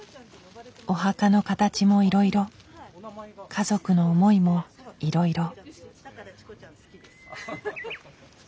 お墓の形もいろいろ家族の思いもいろいろ。